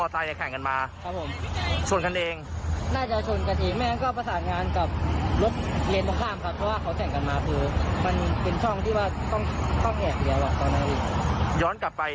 ส่วนขั้นตอนการสอบสวนก็ดำเนินการต่อไป